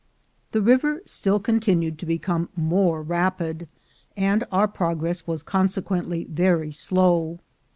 The river still continued to become more rapid, and our progress was consequently very slow.